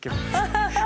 ハハハハ！